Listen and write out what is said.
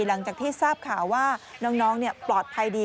หลังจากที่ทราบข่าวว่าน้องปลอดภัยดี